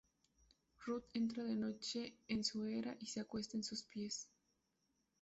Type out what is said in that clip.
Rut entra de noche en su era y se acuesta a sus pies.